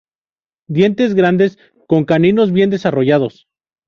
Dientes grandes con caninos bien desarrollados.